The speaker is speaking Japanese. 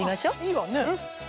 いいわね。